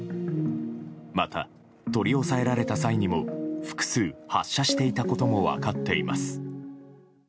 また、取り押さえられた際にも複数、発射していたことも分かっています。